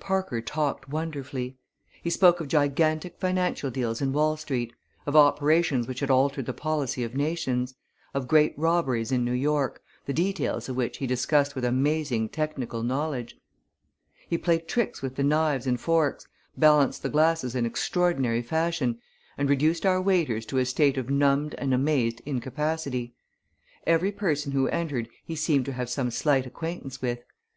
Parker talked wonderfully. He spoke of gigantic financial deals in Wall Street; of operations which had altered the policy of nations; of great robberies in New York, the details of which he discussed with amazing technical knowledge. He played tricks with the knives and forks, balanced the glasses in extraordinary fashion, and reduced our waiters to a state of numbed and amazed incapacity. Every person who entered he seemed to have some slight acquaintance with.